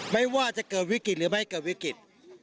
ไม่ว่าจะเกิดวิกฤตหรือไม่เกิดวิกฤต